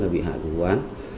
bị hại của vụ án